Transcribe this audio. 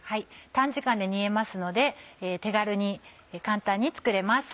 短時間で煮えますので手軽に簡単に作れます。